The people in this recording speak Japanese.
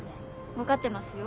分かってますよ